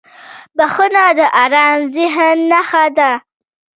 • بخښنه د آرام ذهن نښه ده.